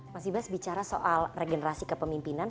mas ibas bicara soal regenerasi kepemimpinan